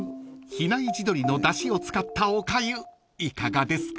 比内地鶏のだしを使ったおかゆいかがですか？］